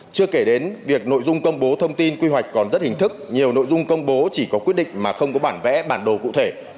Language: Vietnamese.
chưa kể đến việc nội dung công bố thông tin quy hoạch còn rất hình thức nhiều nội dung công bố chỉ có quyết định mà không có bản vẽ bản đồ cụ thể